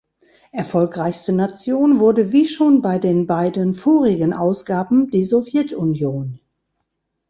Erfolgreichste Nation wurde wie schon bei den beiden vorigen Ausgaben die Sowjetunion.